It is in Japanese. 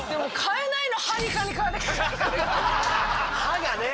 歯がね！